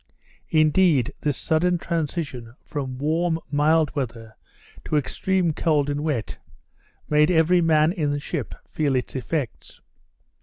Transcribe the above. Indeed this sudden transition from warm, mild weather, to extreme cold and wet, made every man in the ship feel its effects.